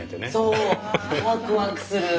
ワクワクする。